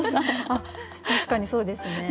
確かにそうですね。